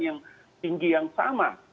yang tinggi yang sama